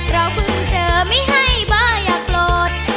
เราพึ่งเจอไม่ให้เบอร์ยาโปรด